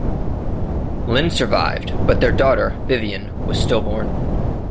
Lynne survived but their daughter, Vivienne, was stillborn.